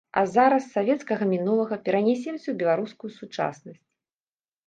А зараз з савецкага мінулага перанясемся ў беларускую сучаснасць.